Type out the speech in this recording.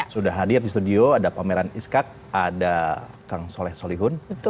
sudah hadir di studio ada pameran iskak ada kang soleh solihun